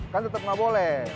kan tetap nggak boleh